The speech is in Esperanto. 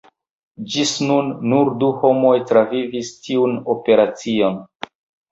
Ĝis nun nur du homoj travivis tiun operacion!